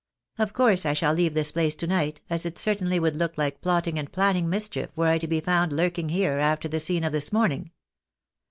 Of course I shall leave this place to night, as it certainly would look like plotting and planning mischief were I to be found lurking here, after the scene of this morning.